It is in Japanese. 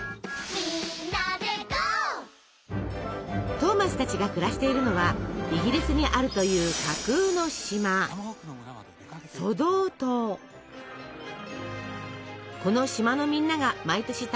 トーマスたちが暮らしているのはイギリスにあるという架空の島この島のみんなが毎年楽しみにしていること。